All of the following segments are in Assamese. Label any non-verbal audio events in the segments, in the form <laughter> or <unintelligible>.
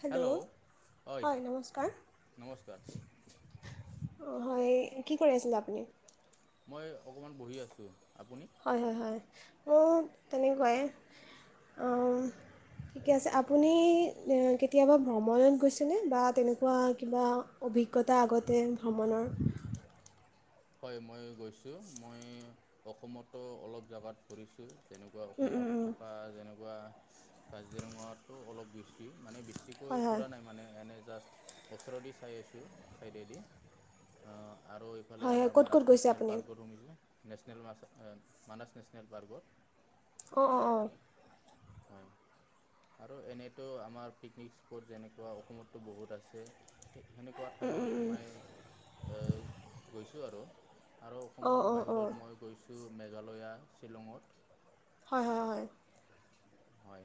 হেল্ল' হয় নমস্কাৰ। নমস্কাৰ অ হয় কি কৰি আছিলে আপুনি? মই অকমান বহি আছো আপো হয় হয় হয় মও তেনেকুৱাই অম ঠিকে আছে আপুনি এ কেতিয়াবা ভ্ৰমণত গৈছেনে বা তেনেকুৱা কিবা অভিজ্ঞতা আগতে ভ্ৰমণৰ। হয় মই গৈছো মই অসমতো অলপ জাগাত ফুৰিছো। যেনেকুৱা উম, উম, অসমত উম, থকা যেনেকুৱা কাজিৰঙাটো অলপ গৈছি মানে বেছি বেছিকৈ হয় হয় ফুৰা নাই মানে এনে জাষ্ট ওচৰেদি চাই আছোঁ চাইডেদি আহ আৰু ইফালে হয় হয় আমাৰ ক'ত মানাছ ক'ত গৈছে নেচনেল আপুনি পাৰ্কত শুমাইছোঁ নেচনেল মাছ এ মানাছ নেচনেল পাৰ্কত। অঁ অঁ অঁ। হয়। আৰু এনেতো আমাৰ পিকনিক স্পট যেনেকুৱা অসমতটো বহুত আছে। সেনেকুৱা ঠাইয়ত মাই অ গৈছোঁ আৰু। আৰু অঁ অসমৰ অঁ অঁ বাহিৰত মই গৈছোঁ মেঘালয়া শ্বিলঙত। হয় হয় হ হ হয়। হয়।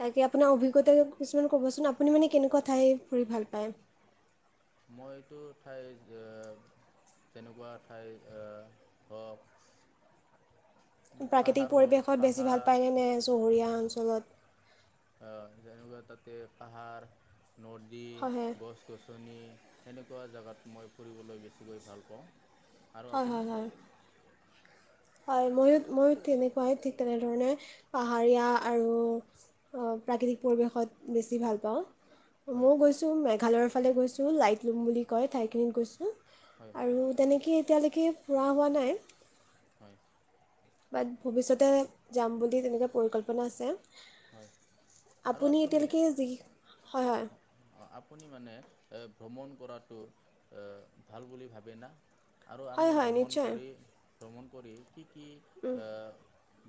তাকে আপোনাৰ অভিজ্ঞতা কিছুমান ক'বচোন আপুনি মানে কেনেকুৱা ঠাই ফুৰি ভাল পায়। মইটো ঠাই এ যেনেকুৱা ঠাই অহ হওঁক প্ৰাকৃতিক পৰিৱেশত বেছি ভাল পায়নে ন চহৰীয়া অঞ্চলত। আহ যেনেকুৱা তাতে পাহাৰ নদী হয় হয় গছ গছনি সেনেকুৱা জাগাত মই ফুৰিবলৈ বেছিকৈ ভাল পাওঁ। আৰু হয় আপুনি হয় হয়। হয় ময়ো ময়ো তেনেকুৱাই ঠিক তেনেধৰণে পাহাৰীয়া আৰু অহ প্ৰাকৃতিক পৰিৱেশত বেছি ভাল পাওঁ। হয় মও গৈছোঁ মেঘালয়ৰ ফালে গৈছোঁ লাইট লুম বুলি কয় ঠাইখিনিত গৈছোঁ। হয় হয় আৰু তেনেকে এতিয়ালেকে ফুৰা হোৱা নাই। হয়। বাট ভৱিষ্যতে যাম বুলি তেনেকুৱা পৰিকল্পনা আছে। হয় আৰু আপুনি এতিয়ালৈকে যি হয় হয় আপুনি মানে এ ভ্ৰমণ কৰাটো এ ভাল বুলি ভাবে না আৰু হয় আমি হয় ভ্ৰমণ নিশ্চয় কৰি ভ্ৰমণ কৰি কি কি এ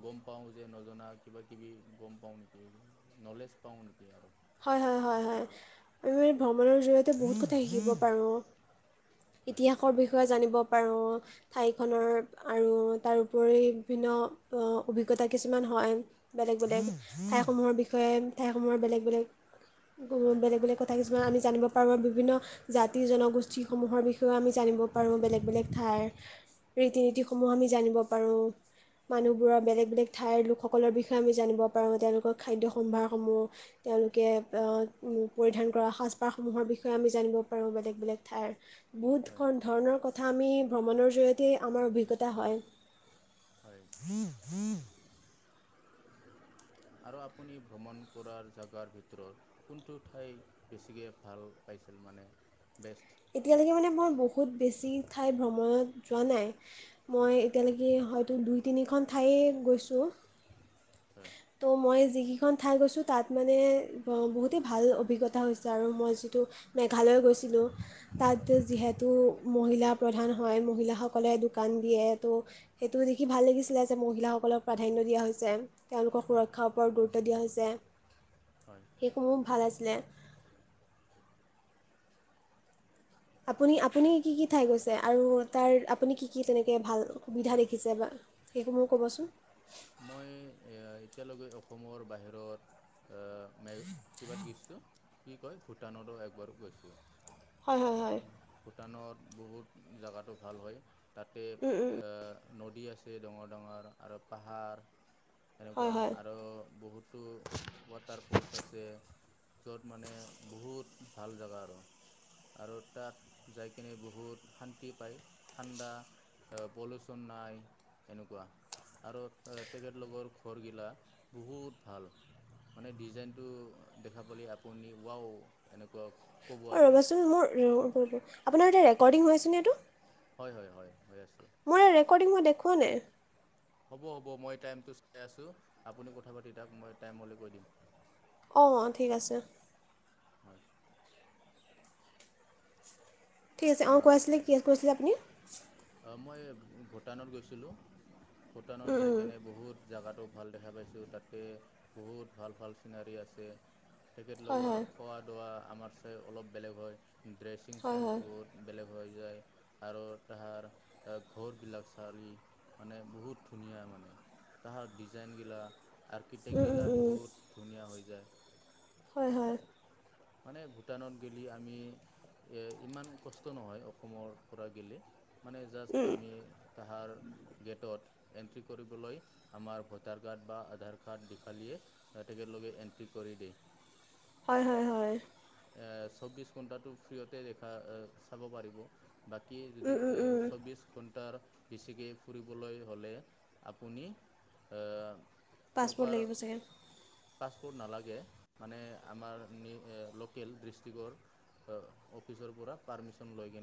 গম পাওঁ যে নজনা কিবা কিবি গম পাওঁ নেকি, নলেজ পাওঁ নেকি আৰু হয় হয় হয় হয় আমি। ভ্ৰমণৰ জৰিয়তে বহুত কথা শিকিব পাৰোঁ হয় ইতিহাসৰ বিষয়ে জানিব। পাৰোঁ ঠাইখনৰ আৰু তাৰ ওপৰি ভিন্ন অভিজ্ঞতা কিছুমান। হয় বেলেগ বেলেগ ঠাইসমূহৰ বিষয়ে ঠাইসমূহৰ বেলেগ বেলেগ হয় বেলেগ বেলেগ কথা কিছু কিছুমান আমি জানিব পাৰোঁ আৰু বিভিন্ন জাতি জনগোষ্ঠীসমূহৰ বিষয়েও আমি জানিব পাৰোঁ বেলেগ বেলেগ ঠাইৰ ৰীতি নীতিসমূহ আমি জানিব পাৰোঁ। মানুহবোৰৰ বেলেগ বেলেগ ঠাইৰ লোকসকলৰ বিষয়ে আমি জানিব পাৰোঁ তেওঁলোকৰ খাদ্য সম্ভাৰসমূহ তেওঁলোক কে এই উম পৰিধান কৰা সাজপাৰসমূহৰ বিষয়ে আমি জানিব পাৰোঁ বেলেগ বেলেগ ঠাইৰ হয় বহুত ধৰণৰ কথা আমি ভ্ৰমণৰ জৰিয়তে আমাৰ অভিজ্ঞতা হয়। হয় আৰু আপুনি ভ্ৰমণ কৰাৰ জেগাত ভিতৰত কোনটো বেছিকে ভাল পাই। কিছুমানে এতিয়ালৈকে মানে মই বহুত বেছি ঠাই ভ্ৰমণত যোৱা নাই। মই এতিয়ালৈকে হয়তো দুই তিনিখন ঠায়েই গৈছোঁ। হয় ত' মই যিকেইখন ঠাই গৈছো তাত মানে বহুতেই ভাল অভিজ্ঞতা হৈছে আৰু মই যিটো মেঘালয় গৈছিলোঁ হয় তাত যিহেতু মহিলা প্ৰধান হয় মহিলাসকলে দোকান দিয়ে ত' সেইটো দেখি ভাল লাগিছিলে যে মহিলা সকলক প্ৰাধান্য দিয়া হৈছে। তেওঁলোকক হয় সুৰক্ষাৰ ওপৰত গুৰুত্ব দিয়া হৈছে হয় সেইসমূহ ভাল আছিলে। আপুনি আপুনি কি কি ঠাই গৈছে আৰু তাৰ আপুনি কি কি তেনেকৈ ভাল সুবিধা দেখিছে বা সেইসমূহ ক'বচোন মই এতিয়ালৈকে অসমৰ বাহিৰত এ কিবাত গৈছোঁ কি কয় ভূটানতো এবাৰ গৈছোঁ। হয় হয় হয় ভূটানত বহুত জোগাটো ভাল হয়। তাতে উম, উম, এ নদী আছে ডাঙৰ ডাঙৰ আৰু পাহাৰ। হয় এনেকুৱা হয় আৰু বহুতো ৱাটাৰফলছ আছে। য'ত মানে বহুত ভাল জেগা আৰু আৰু তাত যাই কিনে বহুত শান্তি পায় ঠাণ্ডা আহ পলিচন নাই এনেকুৱা আৰু তেখেত লোকৰ ঘৰগিলা বহুত ভাল। মানে ডিজাইনটো দেখা পালে আপুনি ৱাও এনেকুৱা ক'ব অ আৰু ৰ'বাচোন মোৰ আপোনাৰ এনে ৰেকৰ্ডিং হৈছেনে এইটো হয় হয় হয় হৈ আছে। মোৰ ৰেকৰ্ডিং মই দেখুওৱা নাই। হ'ব হ'ব মই টাইমটো চাই আছোঁ আপুনি কথা পাতি থাক মই টাইম হলে কৈ দিম। অ অ ঠিক আছে। হয়। ঠিক আছে অ কৈ আছিলে কি আ কৈছিলে আপুনি অ মই ভূটানত গৈছিলো ভূটানত উম, যাই উম, কেনে বহুত জাগাতো ভাল দেখা পাইছোঁ তাতে বহুত ভাল ভাল চিনাৰী আছে। হয় তেখেতলোকৰ হয় খোৱা দোৱা আমাৰ চাই অলপ বেলেগ হয় ড্ৰেছিং হয় চেন্স হয় বহুত বেলেগ। হৈ যায় আৰু তাহাৰ এ ঘৰ বিলাক চালি মানে বহুত ধুনীয়া মানে তাহাৰ ডিজাইন গিলা আৰ্কিটেক্ট উম, উম, গিলা উম, বহুত ধুনীয়া হৈ যায়। হয় হয়। মানে ভূটানত গ'লে আমি এ ইমান কষ্ট নহয় অসমৰ পৰা গেলে। মানে জাষ্ট উম, আমি তাহাৰ গেটত এণ্ট্ৰি কৰিবলৈ আমাৰ ভোটাৰ কাৰ্ড বা আধাৰ কাৰ্ড দীখালীয়ে তেখেতেলোকে এণ্ট্ৰি কৰি কৰি দিই। হয় হয় হয়। এ চৌবিশ ঘন্টাটো ফ্ৰিয়তে দেখা চাব পাৰিব। বাকী যদি উম, উম, উম, চৌব্বিছ ঘণ্টাৰ বেছিকে ফুৰিবলৈ হলে আপোনি আহ পাছপ'ৰ্ট লাগিব চাগে। পাছপৰ্ট নালাগে মানে আমাৰ নিৰ লোক লোকেল দিষ্টিকৰ অফিচৰ পৰা পাৰ্মিচন লৈ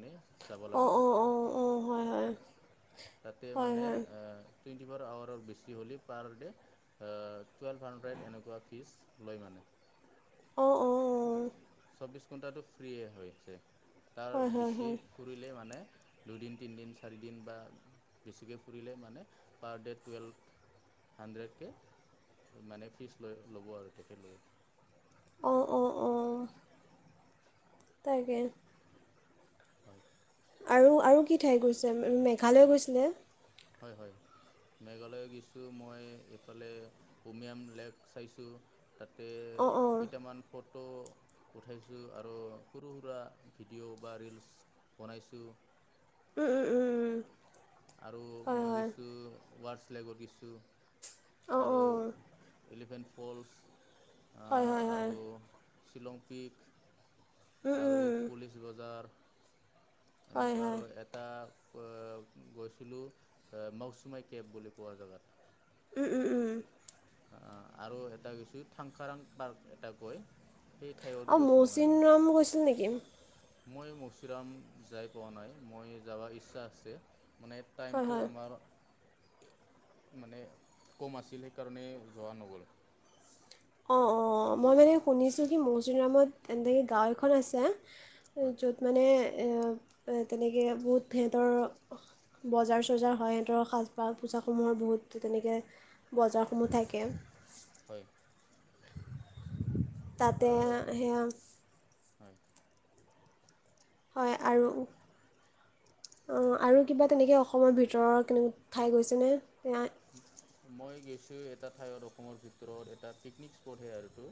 যাব অঁ লাগিব অঁ অঁ অঁ হয় হয় তাতে হয় মানে হয় অ টুৱেণ্টি ফ'ৰ আৱাৰৰ বেছি হ'লে পাৰ ডে টুৱেভ হাণ্ড্ৰেড এনেকুৱা ফিজ লয় মানে অ অ অ চৌবিশ ঘণ্টাটো ফ্ৰিয়ে হৈছে তাৰ হয় হয় বেচি হয় ফুৰিলেই মানে দুদিন তিনিদিন চাৰিদিন বা বেছিকৈ ফুৰিলে মানে পাৰ ডে টুৱেভ হাণ্ড্ৰেডকে মানে ফিজ লৈ ল'ব আৰু তেখেতলোকে অ তাকে হয় আৰু আৰু কি ঠাইত গৈছে মেঘালয় গৈছিলে হয় হয় মেঘালয় গৈছো মই এইফালে উমিয়াম লেক চাইছো তাতে অঁ অঁ কেইটামান ফ'ট <unintelligible> উঠাইছো আৰু সৰু সুৰা ভিডিঅ' বা ৰিলচ বনাইছোঁ উম উম উম উম আৰু হয় মই হয় কিছু ৱাৰছ লেগত কিছু অঁ আৰু অঁ এলিফেণ্ট ফলছ হয় হয় আৰু হয় শ্বিলং পিক উম, আৰু উম। পুলিচ বজাৰ হয় এনেকুৱা হয় আৰু এটা গৈছিলো এ মৌচুমাই কেব বুলি কোৱা জেগাত উম উম উম আহ আৰু এটা কিছু থাংখাৰাং পাৰ্ক এটা কয় সেই ঠাইত অঁ গৈছোঁ মানে মৌচিন মই ৰম গৈছিল নেকি মই মচিৰাম যাই পোৱা নাই মই যাব ইচ্ছা আছে মানে হয় টাইমটো হয় আমাৰ মানে কম আছিল সেইকাৰণে যোৱা নগ'ল অঁ অঁ মই মানে শুনিছোঁ কি মৌচুৰ নামত এনেকৈ গাঁও এখন আছে হয় য'ত মানে তেনেকে বহুত তেহেতৰ বজাৰ চজাৰ হয় সিহঁতৰক সাজপাক পোছাক সমূহৰ বহুত তেনেকে বজাৰসমূহ থাকে। হয় তাতে আৰু সেইয়া হয় হয় আৰু আৰু কিবা তেনেকে অসমৰ ভিতৰ ঠাই গৈছেনে মই গৈছো এটা ঠাইত অসমৰ ভিতৰত এটা পিকনিক স্পট হে আৰুটো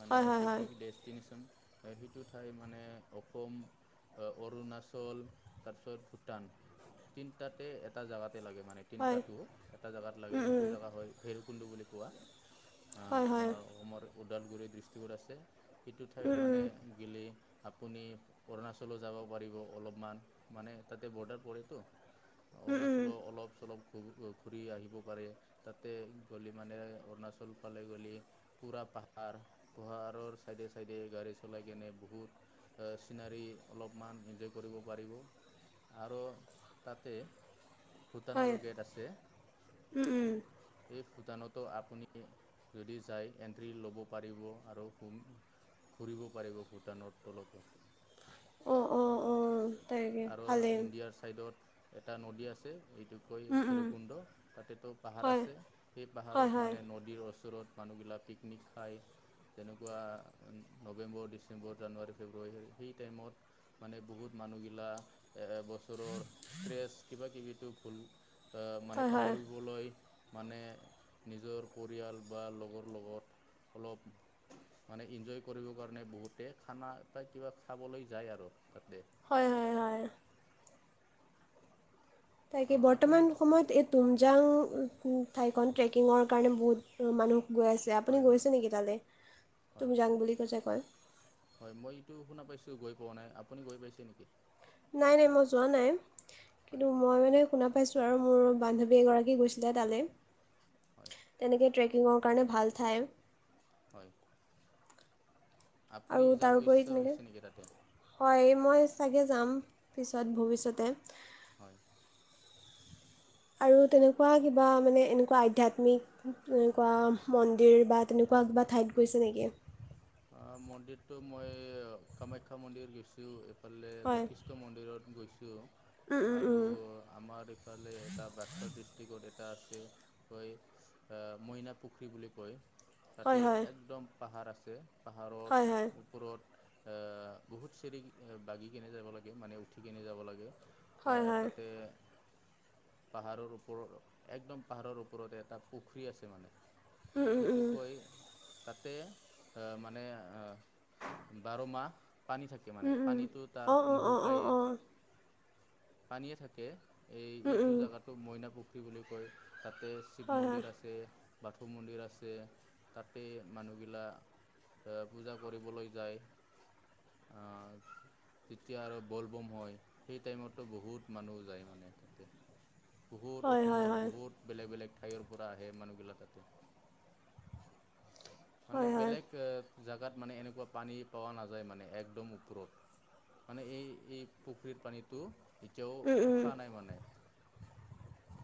মানে হয় হয় হয় পিকনিক ডেষ্টিনেশচন সেইটো ঠাই মানে অসম অৰুণাচল তাৰপিছত ভূটান তিনিটাতে এটা জোগাত লাগে মানে তিনিটা হয় এটা জোগাত লাগে উম সিটো উম জেগা হয় ভেৰকুণ্ডু বুলি কোৱা আহ হয় হয় আমাৰ অসমৰ ওদালগুৰি দৃষ্টিকত আছে সেইটো ঠাইত উম মানে উম গিলে আপুনি অৰুণাচলো যাব পাৰিব অলপমান মানে তাতে বৰ্ডাৰ পৰেতো উম অৰুণাচল উম অলপ চলপ খব ঘূৰি আহিব পাৰে তাতে গ'লে মানে অৰুণাচল ফালে গ'লে পুৰা পাহাৰ পহাৰৰ চাইডে চাইডে গাড়ী চলাই কেনে বহুত চিনাৰী অলপমান এনজয় কৰিব পাৰিব। আৰু তাতে হয় ভূটানৰো গেট আছে উম উম ভটানতো আপুনি যদি য এটি ল'ব পাৰিব আৰু ঘূৰিব পাৰিব ভূটানৰ তলতো অঁ অঁ অঁ তাকে আৰু ভালেই ইণ্ডিয়াৰ চাইডত এটা নদী আছে এইট কৈ উম উম ভৈৰৱকুণ্ড তাতেতো পাহাৰ হয় আছে সেই হয় পাহাৰত হয় মানে নদীৰ ওচৰত মানুহ গিলা পিকনিক খায় যেনেকুৱা নৱেম্বৰ ডিচেম্বৰ জানুৱাৰী ফেব্ৰুৱাৰী হ সেই টাইমত মানে বহুত মানুহগিলা এ বছৰৰ ষ্ট্ৰেচ কিবা কিবি ভুল আহ মানে হয় হয় পাহৰিবলৈ মানে নিজৰ পৰিয়াল বা লগৰ লগত অলপ মানে এনজয় কৰিব কাৰণে বহুতে খানা বা কিবা খাবলৈ যায় আৰু। তাতে হয় হয় হয় তাকে আপুনি বৰ্তমান সময়ত এই তুমজাং ঠাইখন ট্ৰেকিঙৰ কাৰণে বহুত মানুহ। গৈ আছিলে হয় আপুনি হয় গৈছে নেকি তালৈ হয় তুমজাং বুলি কৈছে কয় হয় মই এইটো শুনা পাইছো গৈ পোৱা নাই আপুনি গৈ পাইছে নেকি? নাই নাই মই যোৱা নাই হয় কিন্তু মই মানে শুনা পাইছো। আৰু মোৰ বান্ধৱী এগৰাকী গৈছিলে হয় তালৈ ট্ৰেকিঙৰ কাৰণে ভাল ঠাই। হয়। আপুনি আৰু যাব তাৰোপৰি ইচ্ছা হৈছে নেকি তাতে তেনেকৈ হয় মই। চাগে যাম পিছত ভৱিষ্যতে। হয়। আৰু তেনেকুৱা কিবা মানে এনেকুৱা আধ্যাত্মিক তেনেকুৱা মন্দিৰ বা তেনেক। ক কিবা ঠাইত গৈছে নেকি? মন্দিৰটো মই কামাখ্যা মন্দিৰ গৈছোঁ। ফালে হয় বশিষ্ঠ মন্দিৰত গৈছোঁ। উম, উম, আৰু উম। আমাৰ ইফালে এটা বাক্স ডিষ্ট্ৰিকত এ এটা আছে ক মইনা পুখুৰী বুলি কয় তাতে হয় হয় একদম পাহাৰ আছে হয় পাহাৰত হয় ওপৰত আহ বহুত চৰি বাগি কেনে যাব লাগে মানে উঠি কেনে যাব লাগে হয় হয় তাতে পাহাৰৰ ওপৰত একদম পাহাৰৰ ওপৰত এটা পুখুৰী আছে মানে উম, উম, সেইটো উম। কৈ তাতে মানে বাৰ মাহ পানী থাকে মানে উম, উম। পানীতো তাৰ অঁ অঁ অঁ অঁ নহুকায়ে অঁ পানীয়ে থাকে এই উম, ইটো উম। জোগাতো মইনা পুখুৰী বুলি কয় তাতে শিৱ হয় হয় মন্দিৰ আছে। বাথৌ মন্দিৰ আছে তাতে মানুহগিলা এ পূজা কৰিবলৈ যায় আহ। যেতিয়া আৰু বল বম হয় সেই টাইমতটো বহুত মানুহ যায় মানে তাতে বহুত হয় হয় অসমৰ হয় বহুত বেলেগ বেলেগ। ঠাইৰ পৰা আহে মানুহগিলা তাতে মানে হয় হয় বেলেগ। জেগাত মানে এনেকুৱা পানী পোৱা নাযায় মানে একদম ওপৰত মানে এই এই পুখুৰীৰ পানীটো এতিয়াও উম, উম। শুখা নাই মানে।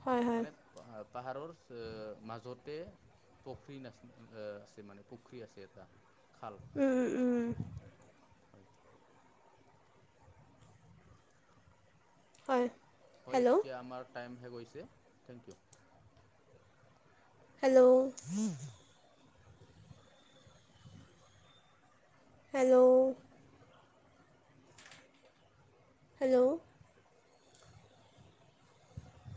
হয় হয় মানে পাহাৰৰ মাজতে পুখুৰী নাচ আছে মানে পুখুৰী আছে এটা খাল উম উম উম হয় হয় হয় হেল্ল' এতিয়া আমাৰ টাইমহে গৈছে thank you hello hello hello